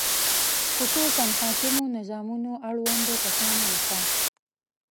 خصوصاً حاکمو نظامونو اړوندو کسانو له خوا